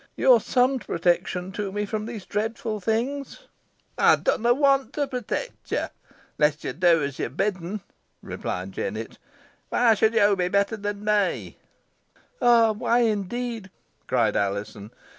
You are some protection to me from these dreadful beings." "Ey dunna want to protect yo onless yo do os yo're bidd'n," replied Jennet! "Whoy should yo be better than me?" "Ah! why, indeed?" cried Alizon.